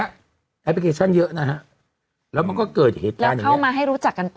เยอะนะฮะแล้วมันก็เกิดเหตุการณ์เข้ามาให้รูจักกัน